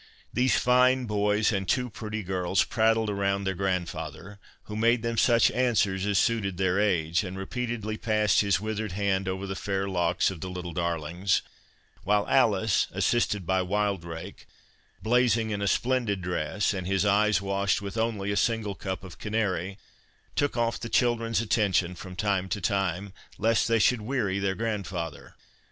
These fine boys and two pretty girls prattled around their grandfather, who made them such answers as suited their age, and repeatedly passed his withered hand over the fair locks of the little darlings, while Alice, assisted by Wildrake, (blazing in a splendid dress, and his eyes washed with only a single cup of canary,) took off the children's attention from time to time, lest they should weary their grandfather.